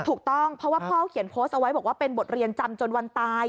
ถูกต้องเพราะว่าพ่อเขียนโพสต์เอาไว้บอกว่าเป็นบทเรียนจำจนวันตาย